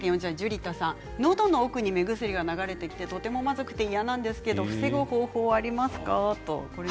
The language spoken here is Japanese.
のどの奥に流れてきてとてもまずくて嫌なんですけれども防ぐ方法はありますか？